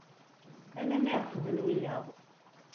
Ala mi εetben wiyaḍ.